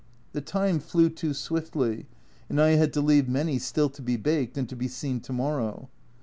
The time flew too swiftly, and I had to leave many still to be baked and to be seen to morrow.